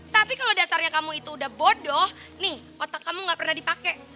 tapi kalau dasarnya kamu itu udah bodoh nih otak kamu gak pernah dipakai